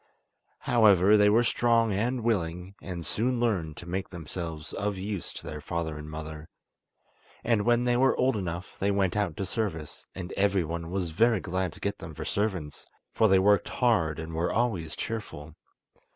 However, they were strong and willing, and soon learned to make themselves of use to their father and mother, and when they were old enough they went out to service, and everyone was very glad to get them for servants, for they worked hard and were always cheerful.